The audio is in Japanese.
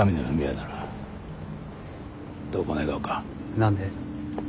何で？